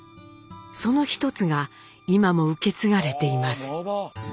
その一つが今も受け継がれています。